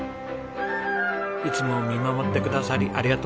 いつも見守ってくださりありがとうございます。